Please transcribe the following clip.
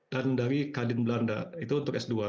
dan dari kadin belanda itu untuk s dua